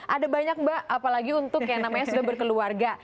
ada banyak mbak apalagi untuk yang namanya sudah berkeluarga